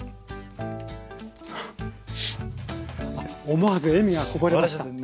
思わず笑みがこぼれました。